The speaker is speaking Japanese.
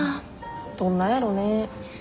どんなやろね。